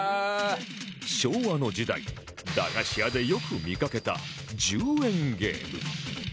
昭和の時代駄菓子屋でよく見かけた１０円ゲーム